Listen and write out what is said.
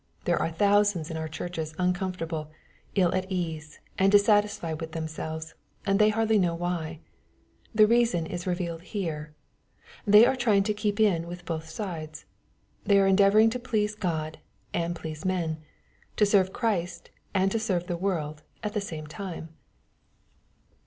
There are thousands in our churches uncomfortable, ill at ease, and dissatisfied with themselves, and they hardly know why. The reason is revealed here. They are trying to keep in with both sides. They are endeavoring to please God and please man, to serve Christ and serve the world at the same time.